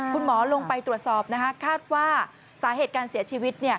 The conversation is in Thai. คุณหมอลงไปตรวจสอบคาดว่าสาเหตุการเสียชีวิต